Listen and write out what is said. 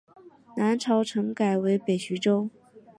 南朝陈改为北徐州。